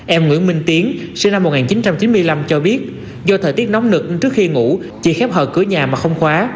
em nguyễn minh tiến sinh năm một nghìn chín trăm chín mươi năm cho biết do thời tiết nóng nực trước khi ngủ chỉ khép hờ cửa nhà mà không khóa